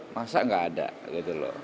masa nggak ada gitu loh